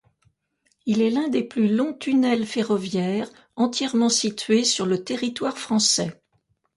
Il est l'un des plus longs tunnels ferroviaires entièrement situés sur le territoire français.